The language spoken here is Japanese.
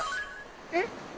えっ？